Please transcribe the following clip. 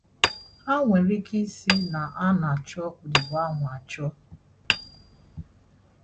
ha nwere ike sị na a na-achọ odibo ahụ achọ.